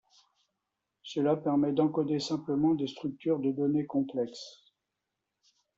Cela permet d'encoder simplement des structures de données complexes.